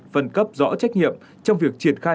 phân cấp rõ trách nhiệm trong việc triệt khai